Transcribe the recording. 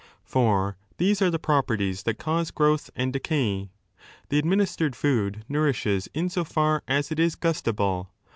For these are the properties that cause growth and decay. The administered food nourishes in 442 a so far as it is gustable.